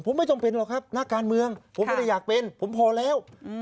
ผมไม่จำเป็นหรอกครับนักการเมืองผมไม่ได้อยากเป็นผมพอแล้ว